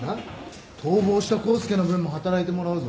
逃亡した康介の分も働いてもらうぞ。